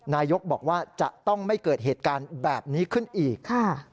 นายกบอกว่าจะต้องไม่เกิดเหตุการณ์แบบนี้ขึ้นอีกค่ะ